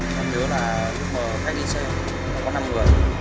trên xe xảy ra án mạng có năm người